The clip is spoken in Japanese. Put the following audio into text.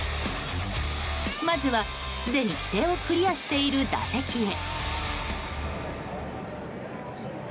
まずは、すでに規定をクリアしている打席へ。